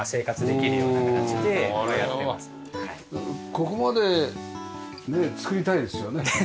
ここまでね作りたいですよね。